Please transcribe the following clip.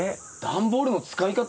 段ボールの使い方？